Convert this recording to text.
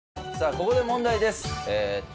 ここで問題です鳥